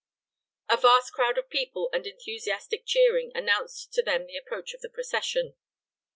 A vast crowd of people and enthusiastic cheering announced to them the approach of the procession.